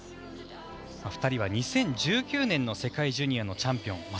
２人は２０１９年の世界ジュニアのチャンピオン